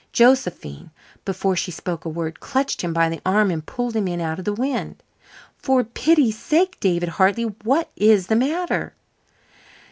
Josephine, before she spoke a word, clutched him by the arm and pulled him in out of the wind. "For pity's sake, David Hartley, what is the matter?"